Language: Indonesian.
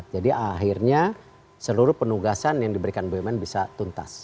jadi akhirnya seluruh penugasan yang diberikan bumn bisa tuntas